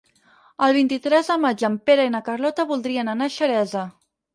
El vint-i-tres de maig en Pere i na Carlota voldrien anar a Xeresa.